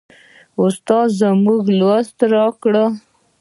استاد موږ ته لوست راکړ.